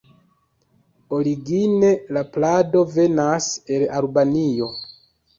Origine la plado venas el Albanio.